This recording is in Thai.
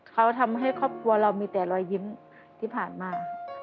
เขาทำให้ครอบครัวเรามีแต่รอยยิ้มที่ผ่านมา